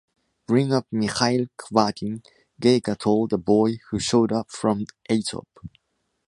Bring up Mikhail Kvakin! - Geyka told the boy who showed up from atop.